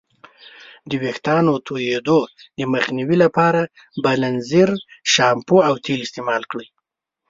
د ویښتانو د توییدو د مخنیوي لپاره بیلینزر شامپو او تیل استعمال کړئ.